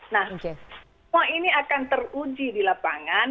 nah semua ini akan teruji di lapangan